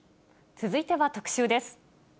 続いては特集です。